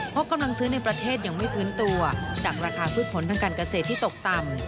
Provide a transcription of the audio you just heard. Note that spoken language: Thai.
เพราะกำลังซื้อในประเทศยังไม่ฟื้นตัวจากราคาพืชผลทางการเกษตรที่ตกต่ำ